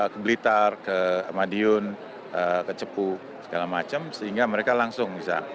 ke blitar ke madiun ke cepu segala macam sehingga mereka langsung bisa